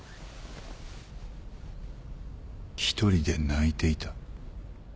１人で泣いていた。